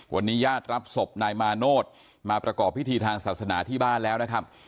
วันนี้ญาติรับศพนายมาโนธมาประกอบพิธีทางศาสนาที่บ้านแล้วนะครับ